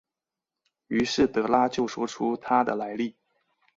于是德拉就说出他的来历。